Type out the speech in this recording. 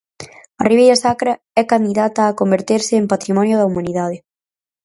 A Ribeira Sacra é candidata a converterse en Patrimonio da Humanidade.